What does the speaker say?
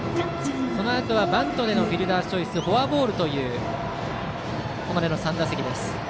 そのあとはバントでのフィルダースチョイスフォアボールというここまでの３打席です。